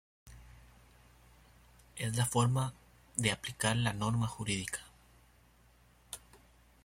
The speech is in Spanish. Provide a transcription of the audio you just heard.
Es la forma de aplicar la norma jurídica.